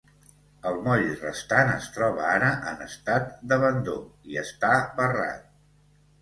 El moll restant es troba ara en estat d'abandó i està barrat.